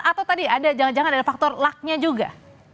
atau tadi ada jangan jangan ada faktor lucknya juga